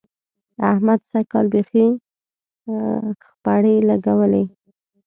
احمد سږ کال بېخي خپړې لګوي.